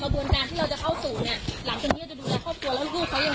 ลูกเค้าอยู่น้ำกลางลูกเค้าอยู่น้ำกลาง